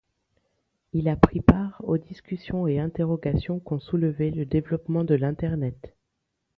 Il a pris part aux discussions et interrogations qu'ont soulevés le développement de l'internet.